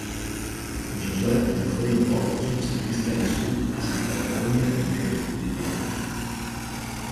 Josep Jufré i Pou és un ciclista nascut a Santa Eulàlia de Riuprimer.